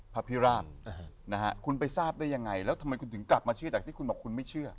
พระพิราชคุณไปทราบได้ยังไงแล้วทำไมคุณถึงกลับมาเชื่อจากที่คุณบอกคุณไม่เชื่อ